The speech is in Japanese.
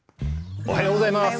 おはようございます。